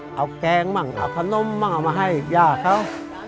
เอาแกงมั่งเอาขนมบ้างเอามาให้ย่าเขา